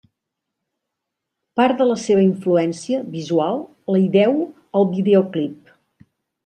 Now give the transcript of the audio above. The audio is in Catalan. Part de la seva influència visual la hi deu al videoclip.